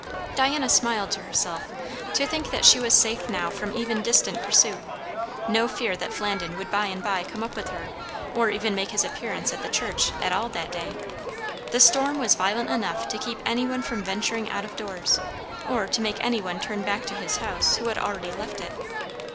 Diana smiled to herself, to think that she was safe now from even distant pursuit; no fear that Flandin would by and by come up with her, or even make his appearance at the church at all that day; the storm was violent enough to keep any one from venturing out of doors, or to make any one turn back to his house who had already left it.